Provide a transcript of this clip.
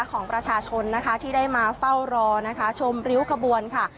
ของประชาชนนะคะที่ได้มาเฝ้ารอนะคะชมริ้วขบวนค่ะ